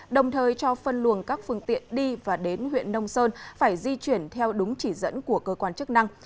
đồng thời cho phân luồng các phương tiện đi và đến huyện nông sơn phải di chuyển theo đúng chỉ dẫn của cơ quan chức năng